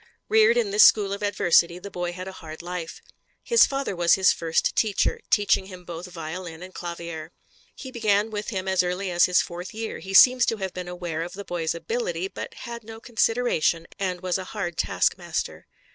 Reared in this school of adversity the boy had a hard life. His father was his first teacher, teaching him both violin and clavier. He began with him as early as his fourth year; he seems to have been aware of the boy's ability, but had no consideration, and was a hard taskmaster.